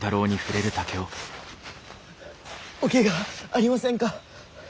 おけがはありませんか？